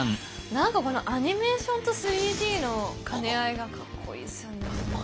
なんかこのアニメーションと３Ｄの兼ね合いがかっこいいっすよね。